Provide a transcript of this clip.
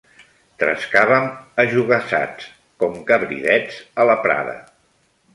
Trescàvem ajogassats com cabridets a la prada…